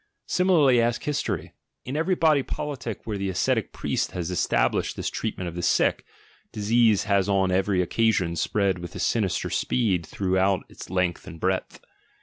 Similarly ask history. In every body politic where the ascetic priest has established this treatment of the sick, disease has on every occasion spread with sin ister speed throughout its length and breadth.